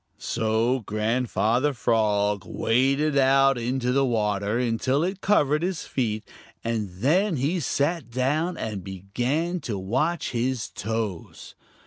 So Grandfather Frog waded out into the water until it covered his feet, and then he sat down and began to watch his toes.